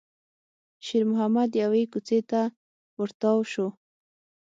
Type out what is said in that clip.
شېرمحمد يوې کوڅې ته ور تاو شو.